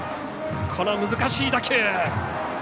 この難しい打球。